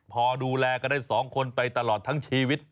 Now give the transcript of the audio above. พอดูแลกันได้๒คนไปตลอดทั้งชีวิต